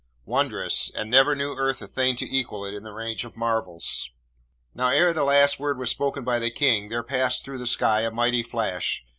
Wondrous! and never knew earth a thing to equal it in the range of marvels!' Now, ere the last word was spoken by the King, there passed through the sky a mighty flash.